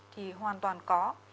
thì hoàn toàn có